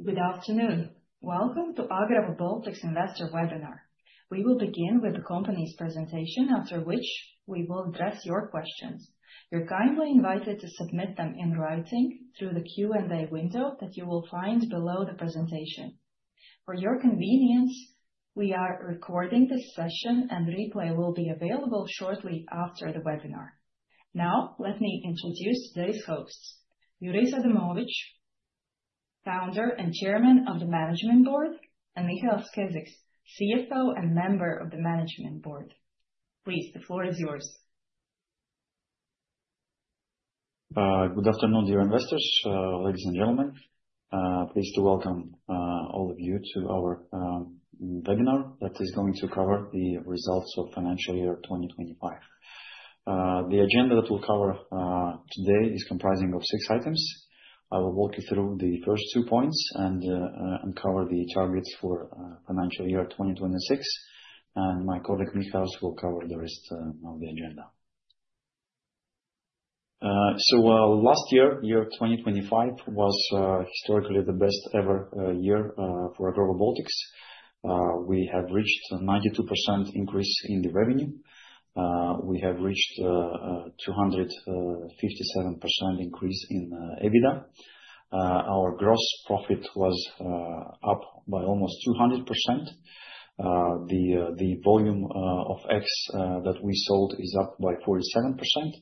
Good afternoon. Welcome to Agrova Baltics investor webinar. We will begin with the company's presentation, after which we will address your questions. You're kindly invited to submit them in writing through the Q&A window that you will find below the presentation. For your convenience, we are recording this session, and replay will be available shortly after the webinar. Now let me introduce today's hosts. Jurijs Adamovičs, Founder and Chairman of the Management Board, and Mihails Keziks, CFO and Member of the Management Board. Please, the floor is yours. Good afternoon, dear investors, ladies and gentlemen. Pleased to welcome all of you to our webinar that is going to cover the results of financial year 2025. The agenda that we'll cover today is comprising of six items. I will walk you through the first two points and uncover the targets for financial year 2026, and my colleague, Mihails, will cover the rest of the agenda. Last year 2025, was historically the best ever year for Agrova Baltics. We have reached 92% increase in the revenue. We have reached 257% increase in EBITDA. Our gross profit was up by almost 200%. The volume of eggs that we sold is up by 47%,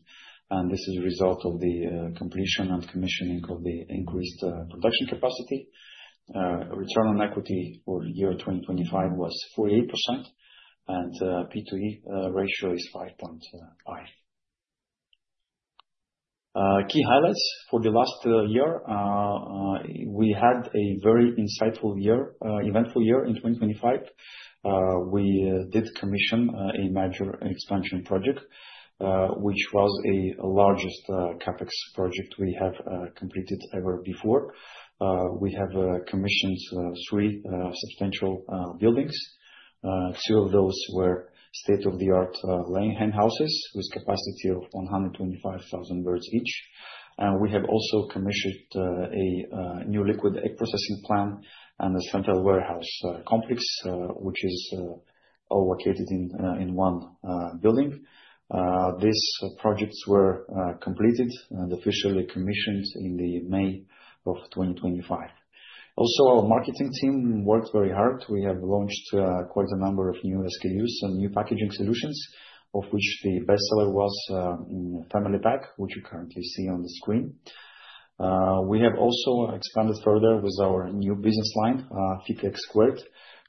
and this is a result of the completion and commissioning of the increased production capacity. Return on equity for the year 2025 was 48%, and P/E ratio is 5.5x. Key highlights for the last year. We had a very insightful year, eventful year in 2025. We did commission a major expansion project, which was the largest CapEx project we have completed ever before. We have commissioned three substantial buildings. Two of those were state-of-the-art laying hen houses with capacity of 125,000 birds each. We have also commissioned a new liquid egg processing plant and a central warehouse complex, which is all located in one building. These projects were completed and officially commissioned in May 2025. Our marketing team worked very hard. We have launched quite a number of new SKUs and new packaging solutions, of which the best seller was Family Pack, which you currently see on the screen. We have also expanded further with our new business line, Fiteg²,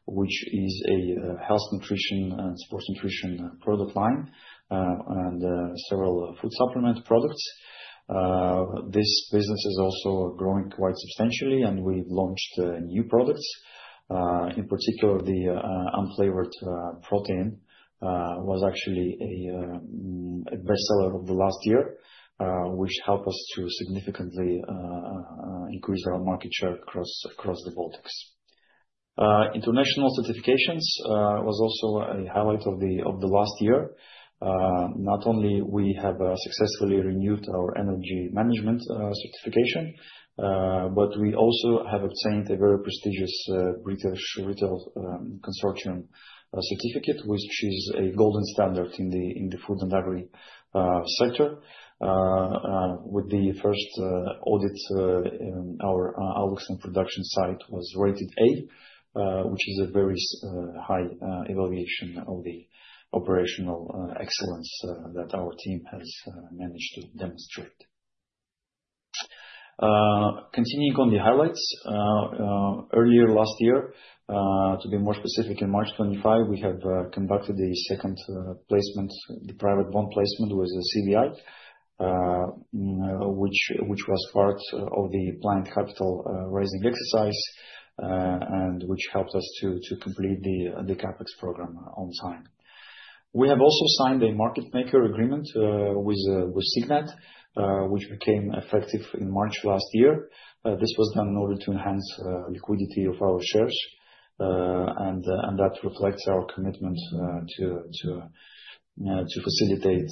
which is a health nutrition and sports nutrition product line, and several food supplement products. This business is also growing quite substantially, and we've launched new products. In particular, the unflavored protein was actually a best seller of the last year, which helped us to significantly increase our market share across the Baltics. International certifications was also a highlight of the last year. Not only we have successfully renewed our energy management certification, but we also have obtained a very prestigious British Retail Consortium certificate, which is a golden standard in the food and agri sector. With the first audit, our Alūksne production site was rated A, which is a very high evaluation of the operational excellence that our team has managed to demonstrate. Continuing on the highlights. Earlier last year, to be more specific, in March 2025, we have conducted a second placement, the private bond placement with CVI, which was part of the planned capital raising exercise, and which helped us to complete the CapEx program on time. We have also signed a market maker agreement with Signet, which became effective in March last year. This was done in order to enhance liquidity of our shares, and that reflects our commitment to facilitate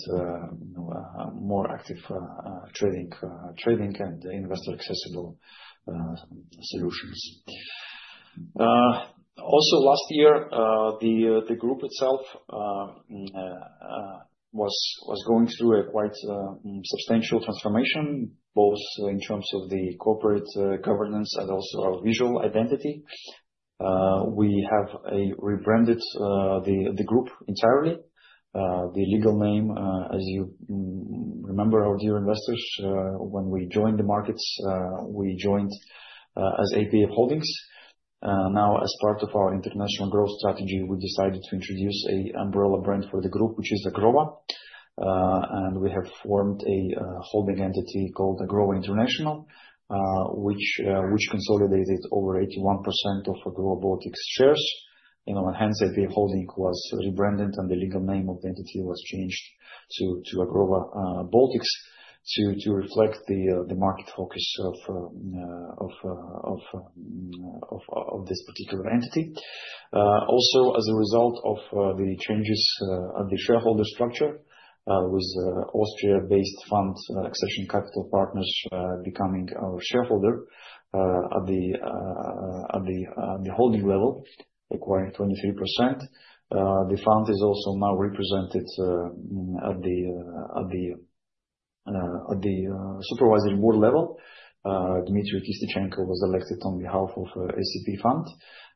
more active trading and investor accessible solutions. Also last year, the group itself was going through a quite substantial transformation, both in terms of the corporate governance and also our visual identity. We have rebranded the group entirely. The legal name, as you remember, our dear investors, when we joined the markets, we joined as APF Holdings. Now, as part of our international growth strategy, we decided to introduce a umbrella brand for the group, which is Agrova. We have formed a holding entity called Agrova International, which consolidated over 81% of Agrova Baltics shares. The holding was rebranded, and the legal name of the entity was changed to Agrova Baltics to reflect the market focus of this particular entity. Also, as a result of the changes of the shareholder structure with Austria-based fund Accession Capital Partners becoming our shareholder at the holding level, acquiring 23%. The fund is also now represented at the Supervisory Board level. Dmytro Kistechko was elected on behalf of ACP fund.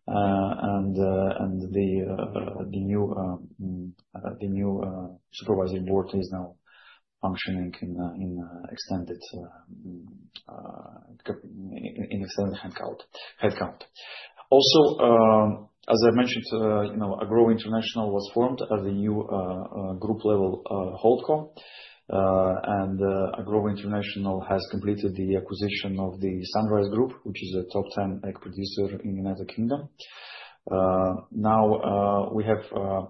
And the new Supervisory Board is now functioning in an extended headcount. As I mentioned, you know, Agrova International was formed as a new group level holdco. Agrova International has completed the acquisition of the Sunrise Group, which is a top 10 egg producer in the United Kingdom. Now, we have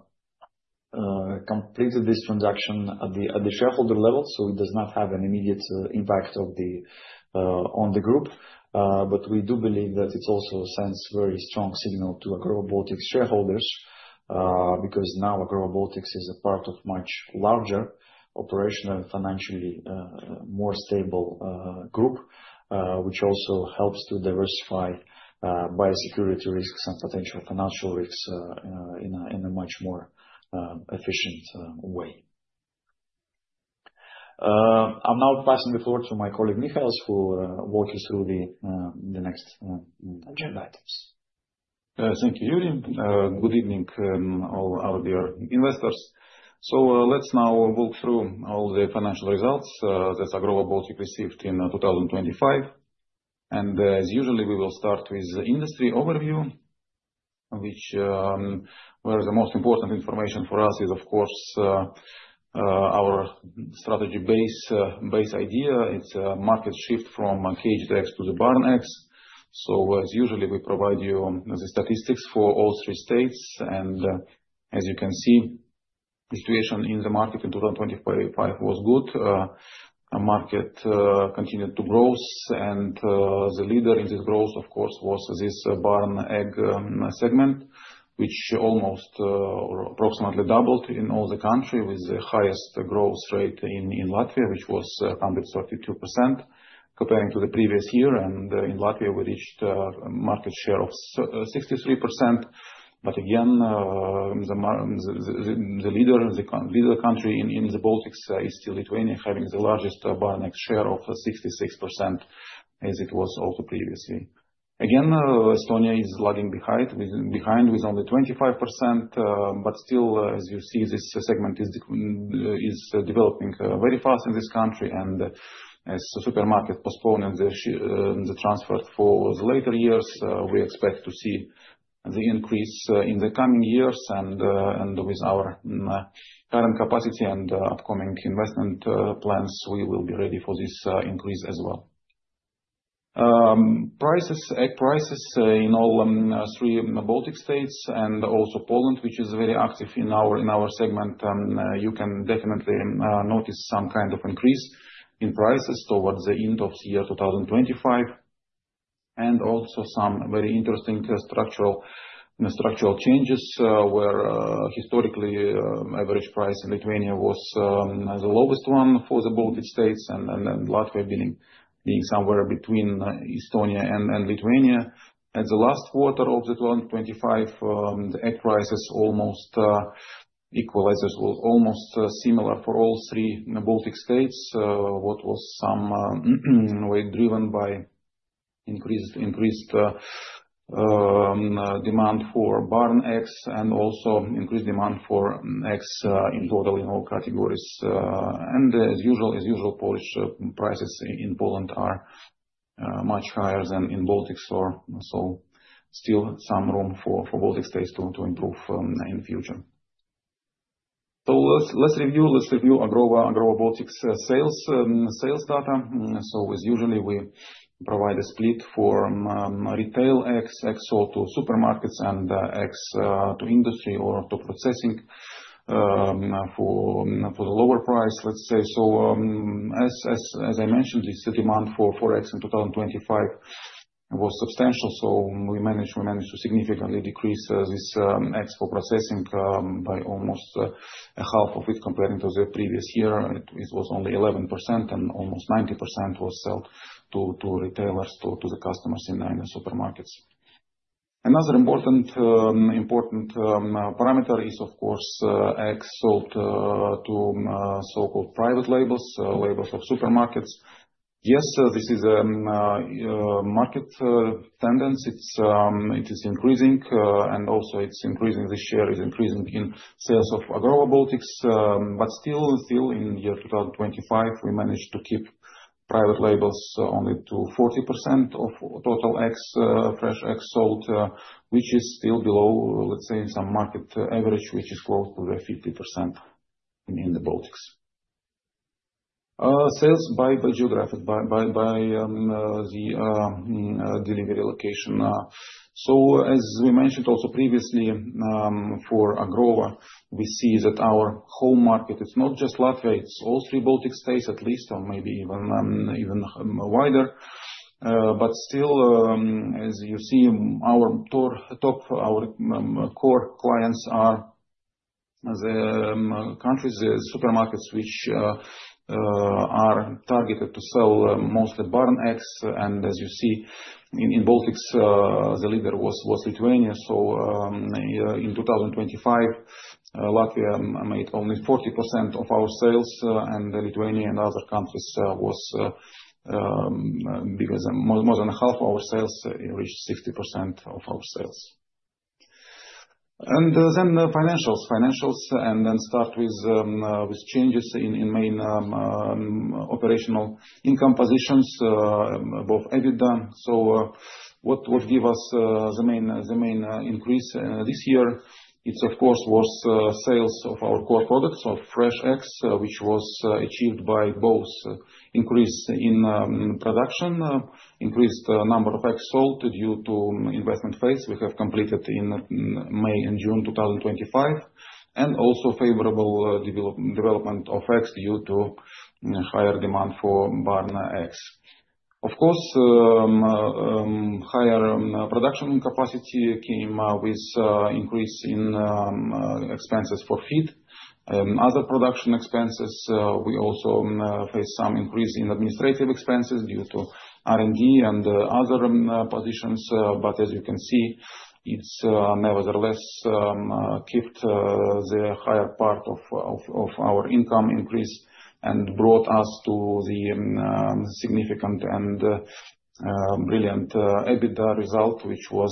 completed this transaction at the shareholder level, so it does not have an immediate impact on the group. We do believe that it also sends very strong signal to Agrova Baltics shareholders, because now Agrova Baltics is a part of much larger operational, financially more stable group, which also helps to diversify biosecurity risks and potential financial risks, in a much more efficient way. I'm now passing the floor to my colleague, Mihails, who walk you through the next slides. Okay. Thank you, Jurijs. Good evening, all our dear investors. Let's now walk through all the financial results that Agrova Baltics received in 2025. As usual, we will start with industry overview, which where the most important information for us is, of course, our strategy base idea. It's a market shift from caged eggs to the barn eggs. As usual, we provide you the statistics for all three states. As you can see, the situation in the market in 2025 was good. Our market continued to grow. The leader in this growth, of course, was this barn egg segment, which almost or approximately doubled in all the country with the highest growth rate in Latvia, which was 132% comparing to the previous year. In Latvia, we reached a market share of 63%. Again, the leader country in the Baltics is still Lithuania, having the largest barn egg share of 66% as it was also previously. Again, Estonia is lagging behind with only 25%. But still, as you see, this segment is developing very fast in this country. As supermarket postponing the transfer for the later years, we expect to see the increase in the coming years. With our current capacity and upcoming investment plans, we will be ready for this increase as well. Egg prices in all three Baltic states and also Poland, which is very active in our segment. You can definitely notice some kind of increase in prices towards the end of 2025, and also some very interesting structural changes where historically average price in Lithuania was the lowest one for the Baltic states and Latvia being somewhere between Estonia and Lithuania. At the last quarter of 2025, the egg prices almost equalized, was almost similar for all three Baltic states, which was somewhat driven by increased demand for barn eggs and also increased demand for eggs in total in all categories. As usual, Polish prices in Poland are much higher than in Baltics or so. Still some room for Baltic states to improve in future. Let's review Agrova Baltics's sales data. As usual, we provide a split for retail eggs sold to supermarkets and eggs to industry or to processing for the lower price, let's say. As I mentioned, this demand for eggs in 2025 was substantial, we managed to significantly decrease these eggs for processing by almost a half of it comparing to the previous year. It was only 11% and almost 90% was sold to retailers to the customers in the supermarkets. Another important parameter is of course eggs sold to so-called private labels of supermarkets. Yes, this is a market trend. It is increasing, and the share is increasing in sales of Agrova Baltics. Still in 2025, we managed to keep private labels only to 40% of total eggs, fresh eggs sold, which is still below, let's say, some market average, which is close to the 50% in the Baltics. Sales by geographic delivery location. As we mentioned also previously, for Agrova, we see that our home market is not just Latvia, it's all thee Baltic states at least, or maybe even wider. Still, as you see, our top core clients are the countries, the supermarkets which are targeted to sell mostly barn eggs, and as you see in the Baltics, the leader was Lithuania. In 2025, Latvia made only 40% of our sales, and Lithuania and other countries was more than half our sales, it reached 60% of our sales. Then the financials. Financials start with changes in main operational income positions, both EBITDA. What will give us the main increase this year, it of course was sales of our core products, so fresh eggs, which was achieved by both increase in production, increased number of eggs sold due to investment phase we have completed in May and June 2025, and also favorable development of eggs due to higher demand for barn eggs. Of course, higher production capacity came with increase in expenses for feed. Other production expenses, we also face some increase in administrative expenses due to R&D and other positions. As you can see, it's nevertheless kept the higher part of our income increase and brought us to the significant and brilliant EBITDA result, which was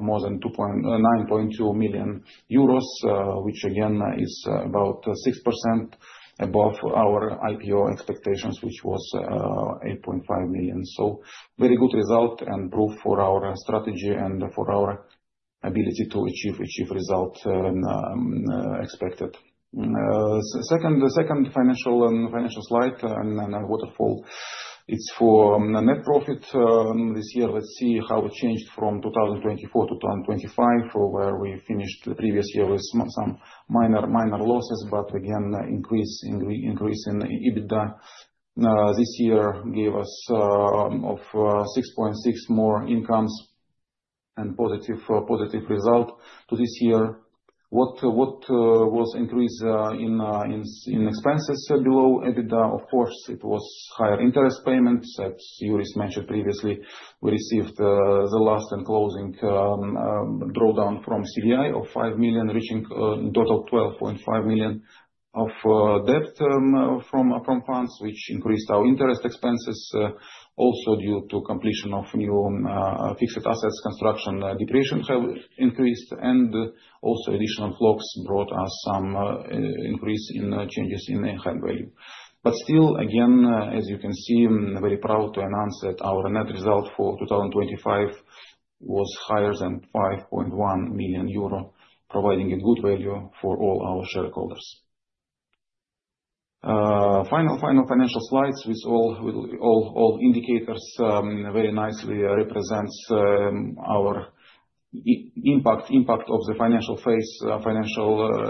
more than 9.2 million euros. Which again is about 6% above our IPO expectations, which was 8.5 million. Very good result and proof for our strategy and for our ability to achieve result expected. The second financial slide and then waterfall. It's for net profit this year. Let's see how it changed from 2024 to 2025, from where we finished the previous year with some minor losses, but again, increase in EBITDA. This year gave us 6.6% more income and positive result for this year. What was increase in expenses below EBITDA? Of course, it was higher interest payments. As Jurijs mentioned previously, we received the last and closing drawdown from CVI of 5 million, reaching a total of 12.5 million of debt from funds, which increased our interest expenses. Also due to completion of new fixed assets construction, depreciation have increased. Also additional flocks brought us some increase in changes in the fair value. Still, again, as you can see, I'm very proud to announce that our net result for 2025 was higher than 5.1 million euro, providing a good value for all our shareholders. Final financial slides with all indicators very nicely represents our impact of the financial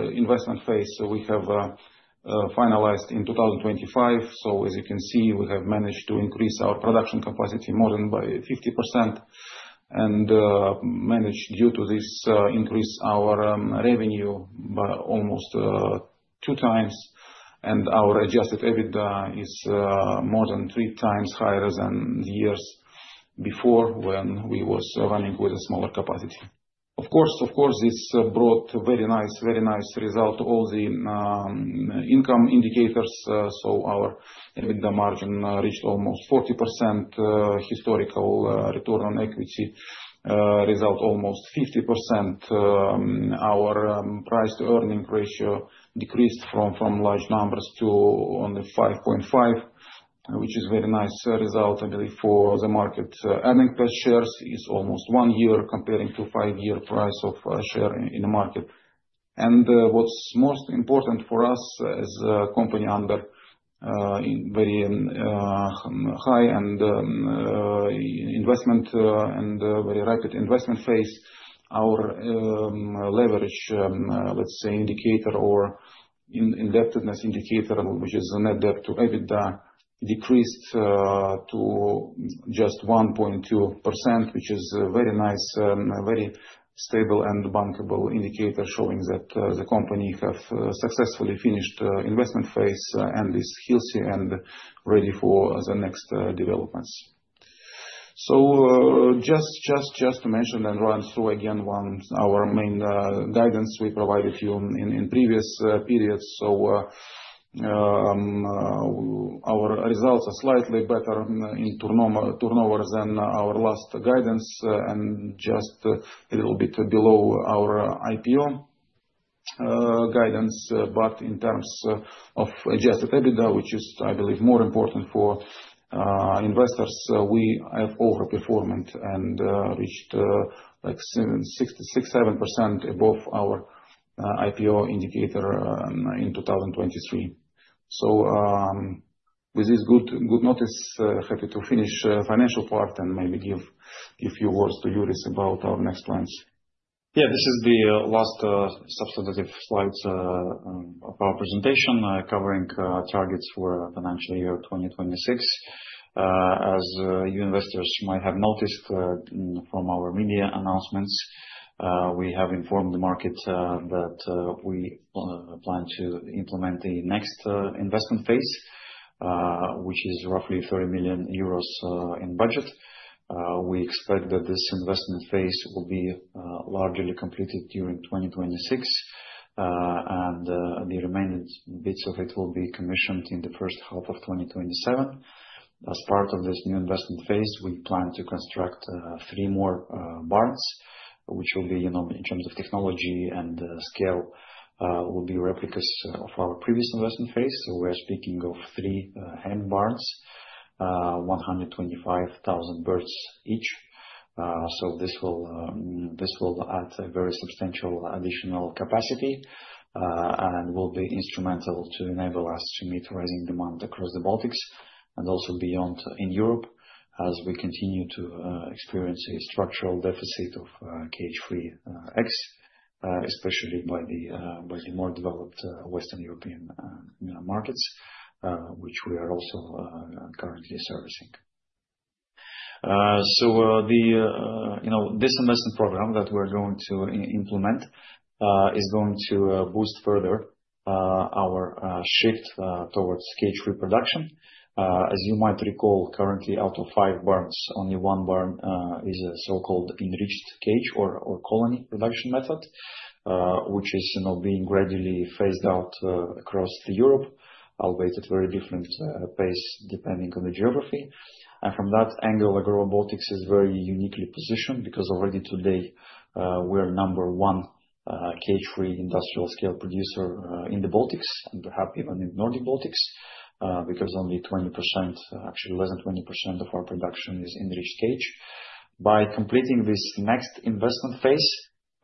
investment phase we have finalized in 2025. As you can see, we have managed to increase our production capacity more than 50%. Managed due to this increase our revenue by almost 2x. Our adjusted EBITDA is more than 3x higher than years before when we was running with a smaller capacity. Of course, this brought very nice result to all the income indicators. Our EBITDA margin reached almost 40%, historical return on equity result almost 50%. Our price-to-earnings ratio decreased from large numbers to only 5.5x, which is very nice result, I believe, for the market. Earnings per share is almost one euro comparing to five-year price of share in the market. What's most important for us as a company in very high and very rapid investment phase, our leverage, let's say indicator or indebtedness indicator, which is a net debt to EBITDA, decreased to just 1.2%, which is a very nice, very stable and bankable indicator showing that the company have successfully finished investment phase and is healthy and ready for the next developments. To mention and run through again one of our main guidance we provided you in previous periods. Our results are slightly better in turnover than our last guidance, and just a little bit below our IPO guidance. In terms of adjusted EBITDA, which I believe is more important for investors, we have overperformance and reached like 6%-7% above our IPO indicator in 2023. With this good notice, happy to finish financial part and maybe give your words to Jurijs about our next plans. Yeah, this is the last substantive slides of our presentation covering targets for financial year 2026. As you investors might have noticed from our media announcements, we have informed the market that we plan to implement the next investment phase, which is roughly 30 million euros in budget. We expect that this investment phase will be largely completed during 2026. The remaining bits of it will be commissioned in the first half of 2027. As part of this new investment phase, we plan to construct three more barns, which will be, you know, in terms of technology and scale, will be replicas of our previous investment phase. We're speaking of three hen barns, 125,000 birds each. This will add a very substantial additional capacity and will be instrumental to enable us to meet rising demand across the Baltics and also beyond in Europe as we continue to experience a structural deficit of cage-free eggs, especially by the more developed Western European, you know, markets, which we are also currently servicing. The, you know, this investment program that we're going to implement is going to boost further our shift towards cage-free production. As you might recall, currently out of five barns, only one barn is a so-called enriched cage or colony production method, which is, you know, being gradually phased out across Europe, albeit at very different pace depending on the geography. From that angle, Agrova Baltics is very uniquely positioned because already today, we are number one cage-free industrial scale producer in the Baltics, and perhaps even in Nordic Baltics, because only 20%, actually less than 20% of our production is enriched cage. By completing this next investment phase,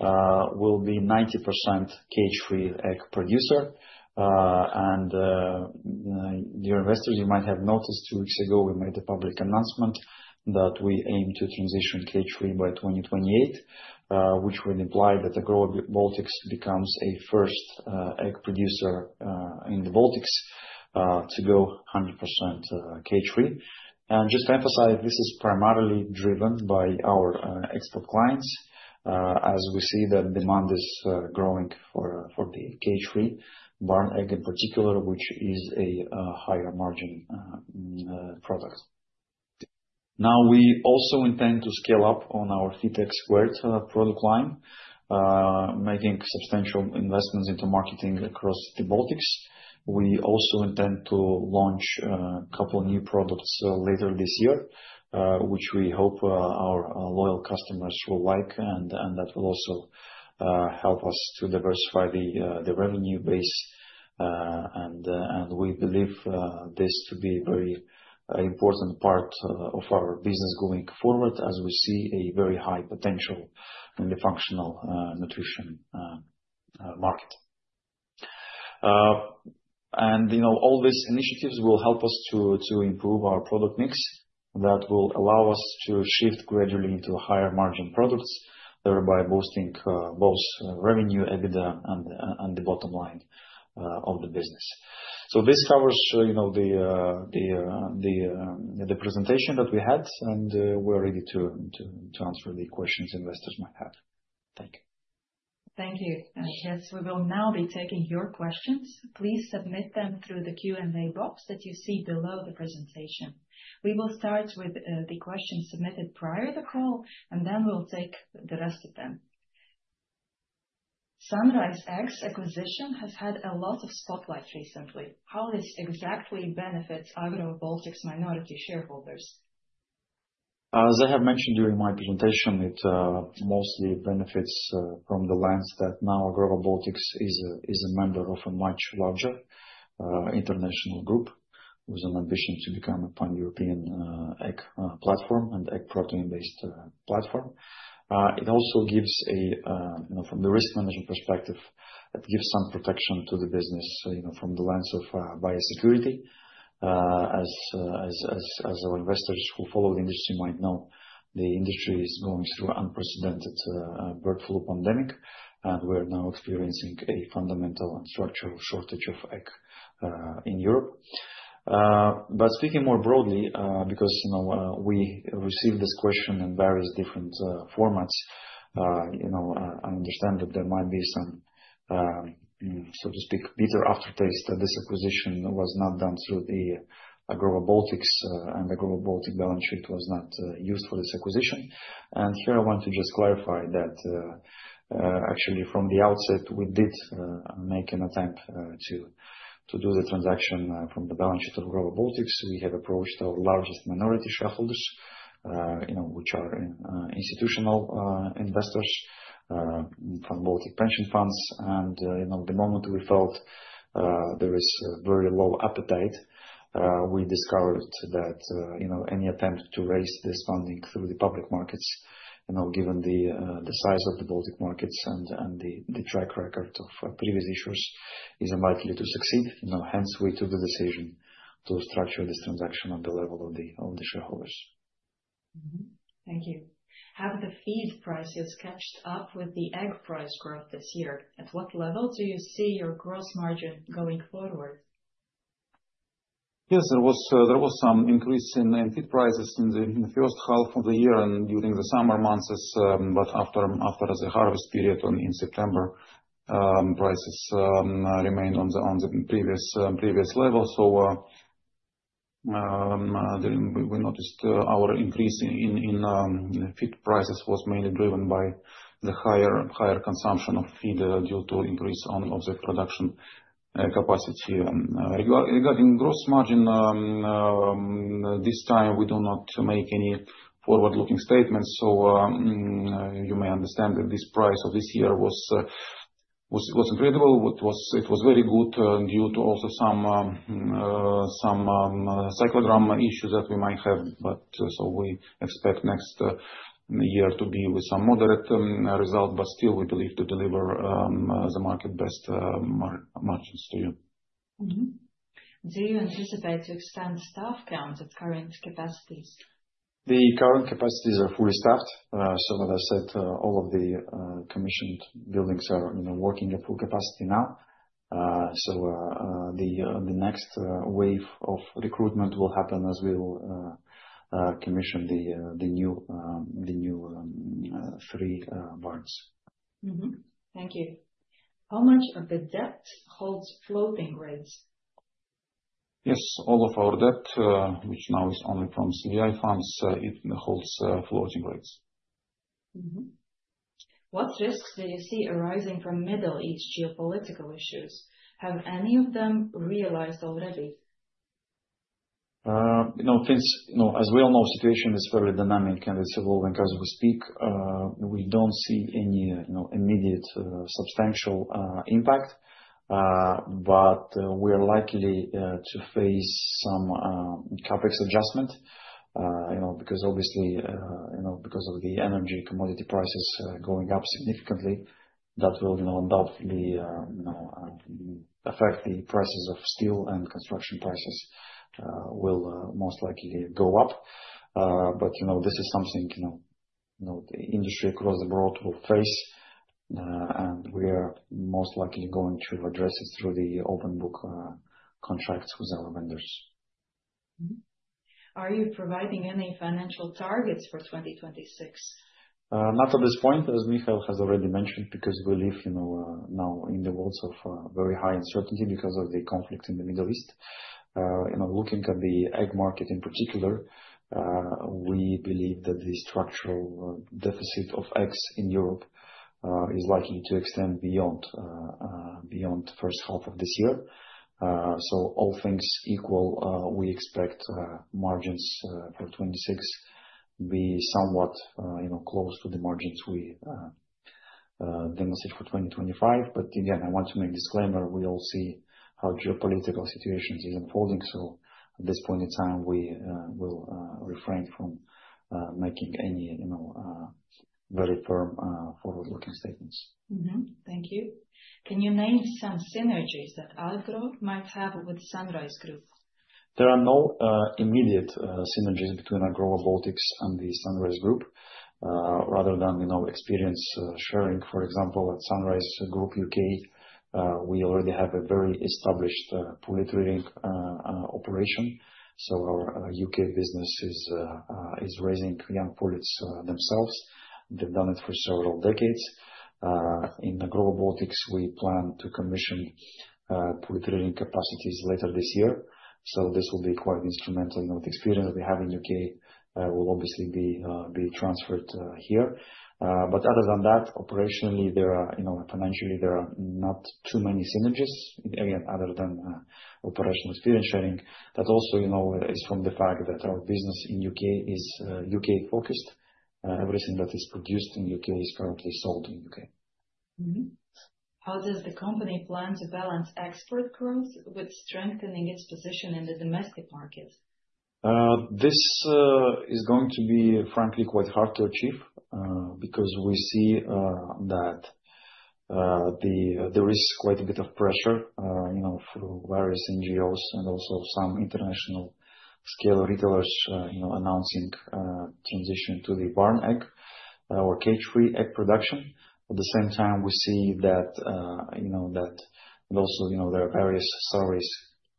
we'll be 90% cage-free egg producer. Dear investors, you might have noticed two weeks ago we made a public announcement that we aim to transition cage-free by 2028, which would imply that Agrova Baltics becomes a first egg producer in the Baltics to go 100% cage-free. Just to emphasize, this is primarily driven by our export clients, as we see that demand is growing for the cage-free barn egg in particular, which is a higher margin product. Now, we also intend to scale up on our Fiteg² product line, making substantial investments into marketing across the Baltics. We also intend to launch a couple new products later this year, which we hope our loyal customers will like, and that will also help us to diversify the revenue base. We believe this to be very important part of our business going forward as we see a very high potential in the functional nutrition market. You know, all these initiatives will help us to improve our product mix that will allow us to shift gradually into higher margin products, thereby boosting both revenue, EBITDA and the bottom line of the business. This covers you know, the presentation that we had, and we're ready to answer the questions investors might have. Thank you. Thank you. Yes, we will now be taking your questions. Please submit them through the Q&A box that you see below the presentation. We will start with the questions submitted prior to the call, and then we'll take the rest of them. Sunrise Eggs acquisition has had a lot of spotlight recently. How this exactly benefits Agrova Baltics minority shareholders? As I have mentioned during my presentation, it mostly benefits from the lens that now Agrova Baltics is a member of a much larger international group with an ambition to become a pan-European egg platform and egg protein-based platform. It also gives, you know, from the risk management perspective, some protection to the business, you know, from the lens of biosecurity. As our investors who follow the industry might know, the industry is going through unprecedented bird flu pandemic, and we're now experiencing a fundamental and structural shortage of egg in Europe. Speaking more broadly, because, you know, we received this question in various different formats, you know, I understand that there might be some, so to speak, bitter aftertaste that this acquisition was not done through the Agrova Baltics, and Agrova Baltics balance sheet was not used for this acquisition. Here I want to just clarify that, actually from the outset we did make an attempt to do the transaction from the balance sheet of Agrova Baltics. We have approached our largest minority shareholders, you know, which are in institutional investors from Baltic pension funds. You know, the moment we felt there is a very low appetite, we discovered that, you know, any attempt to raise this funding through the public markets, you know, given the size of the Baltic markets and the track record of previous issuers is unlikely to succeed. You know, hence we took the decision to structure this transaction on the level of the shareholders. Thank you. Have the feed prices caught up with the egg price growth this year? At what level do you see your gross margin going forward? Yes, there was some increase in feed prices in the first half of the year and during the summer months. After the harvest period in September, prices remained on the previous level. We noticed our increase in feed prices was mainly driven by the higher consumption of feed due to increase in the production capacity. Regarding gross margin, this time we do not make any forward-looking statements. You may understand that this price of this year was incredible. It was very good due to also some cyclical issues that we might have. We expect next year to be with some moderate result. Still we believe to deliver the market best margins to you. Mm-hmm. Do you anticipate to extend staff counts at current capacities? The current capacities are fully staffed. As I said, all of the commissioned buildings are, you know, working at full capacity now. The next wave of recruitment will happen as we will commission the new three barns. Thank you. How much of the debt holds floating rates? Yes. All of our debt, which now is only from CVI funds, it holds floating rates. Mm-hmm. What risks do you see arising from Middle East geopolitical issues? Have any of them realized already? You know, things, you know, as we all know, situation is very dynamic and it's evolving as we speak. We don't see any, you know, immediate, substantial, impact. We're likely to face some CapEx adjustment. You know, because of the energy commodity prices going up significantly, that will no doubt affect the prices of steel and construction prices will most likely go up. You know, this is something, you know, the industry across the board will face, and we are most likely going to address it through the open book contracts with our vendors. Are you providing any financial targets for 2026? Not at this point, as Mihails has already mentioned, because we live, you know, now in the worlds of very high uncertainty because of the conflict in the Middle East. You know, looking at the egg market in particular, we believe that the structural deficit of eggs in Europe is likely to extend beyond first half of this year. All things equal, we expect margins for 2026 be somewhat, you know, close to the margins we demonstrated for 2025. Again, I want to make disclaimer, we all see how geopolitical situations is unfolding. At this point in time, we will refrain from making any, you know, very firm forward-looking statements. Thank you. Can you name some synergies that Agro might have with Sunrise Group? There are no immediate synergies between Agrova Baltics and the Sunrise Group. Rather than, you know, experience sharing, for example, at Sunrise Group U.K., we already have a very established poultry operation. Our U.K. business is raising young pullets themselves. They've done it for several decades. In Agrova Baltics, we plan to commission poultry rearing capacities later this year. This will be quite instrumental. You know, the experience we have in U.K. will obviously be transferred here. Other than that, operationally, there are, you know, financially, there are not too many synergies again, other than operational experience sharing. That also, you know, is from the fact that our business in U.K. is U.K. focused. Everything that is produced in U.K. is currently sold in U.K. How does the company plan to balance export growth with strengthening its position in the domestic markets? This is going to be frankly quite hard to achieve, because we see that there is quite a bit of pressure, you know, through various NGOs and also some international scale retailers, you know, announcing transition to the barn egg or cage-free egg production. At the same time, we see that, you know, and also, you know, there are various surveys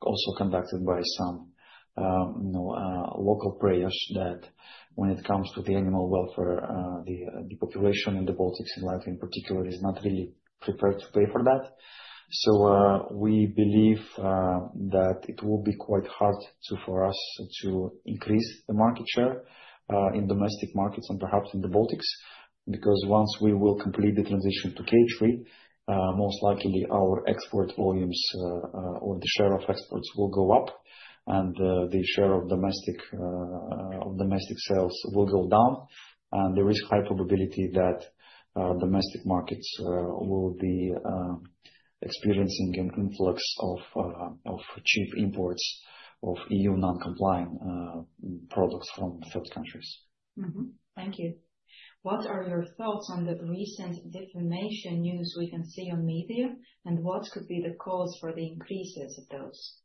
also conducted by some, you know, local players that when it comes to the animal welfare, the population in the Baltics and Latvia in particular is not really prepared to pay for that. We believe that it will be quite hard to, for us to increase the market share in domestic markets and perhaps in the Baltics. Because once we will complete the transition to cage-free, most likely our export volumes or the share of exports will go up and the share of domestic sales will go down. There is high probability that domestic markets will be experiencing an influx of cheap imports of EU non-compliant products from third countries. Thank you. What are your thoughts on the recent defamation news we can see on media? What could be the cause for the increases of those?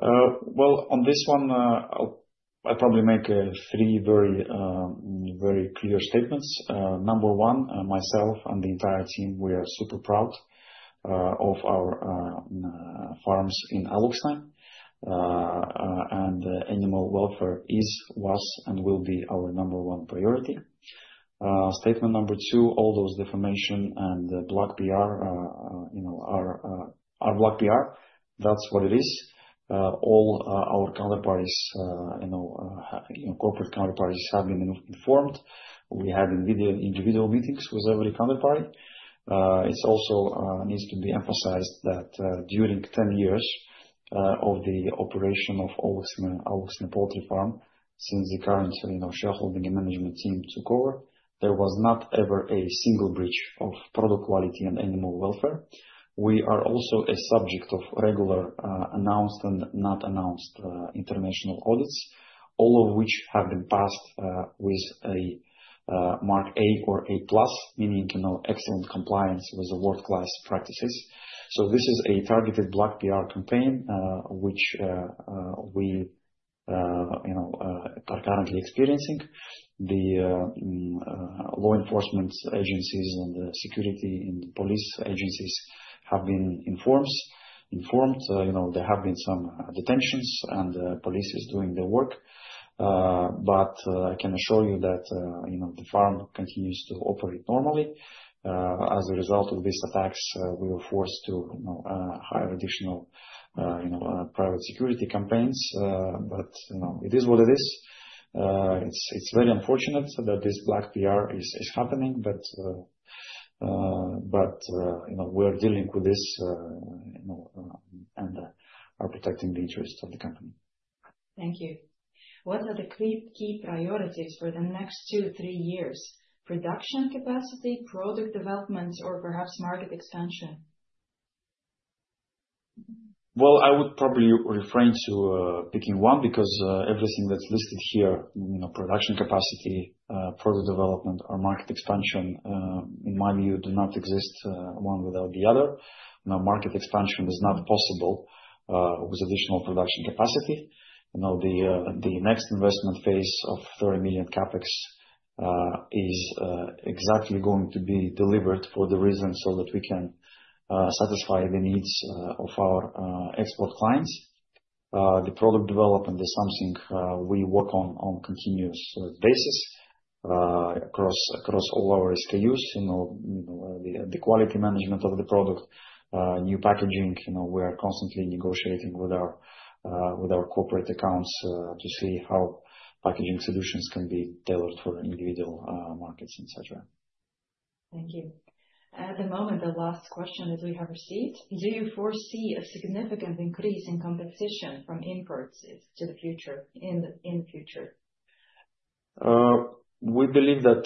Well, on this one, I'll probably make three very very clear statements. Number one, myself and the entire team, we are super proud of our farms in Alūksne. Animal welfare is, was, and will be our number one priority. Statement number two, all those defamation and black PR, you know, are black PR. That's what it is. All our counterparties, you know, corporate counterparties have been informed. We have individual meetings with every counterparty. It also needs to be emphasized that during 10 years of the operation of Alūksne poultry farm, since the current, you know, shareholding and management team took over, there was not ever a single breach of product quality and animal welfare. We are also a subject of regular, announced and not announced, international audits, all of which have been passed, with a mark A or A+, meaning, you know, excellent compliance with the world-class practices. This is a targeted black PR campaign, which we, you know, are currently experiencing. The law enforcement agencies and the security and police agencies have been informed. You know, there have been some detentions and police is doing their work. I can assure you that, you know, the farm continues to operate normally. As a result of this attacks, we were forced to, you know, hire additional, you know, private security companies. You know, it is what it is. It's very unfortunate that this black PR is happening, but you know, we're dealing with this, you know, and are protecting the interest of the company. Thank you. What are the key priorities for the next two, three years? Production capacity, product developments, or perhaps market expansion? Well, I would probably refrain from picking one because everything that's listed here, you know, production capacity, product development or market expansion, in my view, do not exist one without the other. You know, market expansion is not possible without additional production capacity. You know, the next investment phase of 30 million CapEx is exactly going to be delivered for the reason so that we can satisfy the needs of our export clients. The product development is something we work on continuous basis across all our SKUs, you know, the quality management of the product, new packaging. You know, we are constantly negotiating with our corporate accounts to see how packaging solutions can be tailored for individual markets and so on. Thank you. At the moment, the last question that we have received. Do you foresee a significant increase in competition from imports in future? We believe that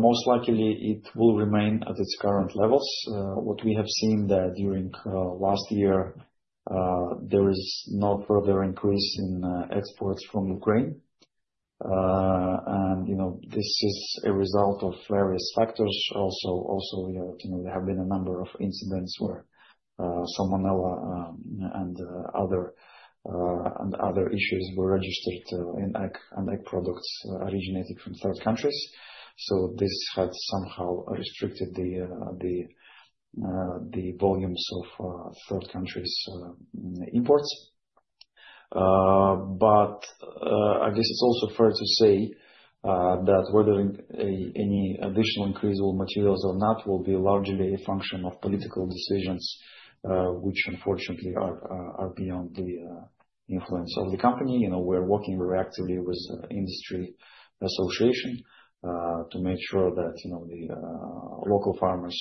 most likely it will remain at its current levels. What we have seen that during last year there is no further increase in exports from Ukraine. You know, this is a result of various factors. Also, you know, there have been a number of incidents where salmonella and other issues were registered in egg and egg products originating from third countries. This had somehow restricted the volumes of third countries imports. I guess it's also fair to say that whether any additional increase will materialize or not will be largely a function of political decisions which unfortunately are beyond the influence of the company. You know, we're working very actively with industry association to make sure that, you know, the local farmers,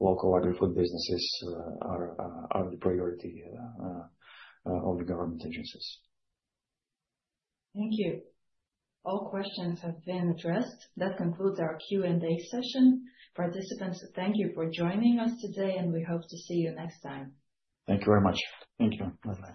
local agri-food businesses are the priority of the government agencies. Thank you. All questions have been addressed. That concludes our Q&A session. Participants, thank you for joining us today, and we hope to see you next time. Thank you very much. Thank you. Bye-bye.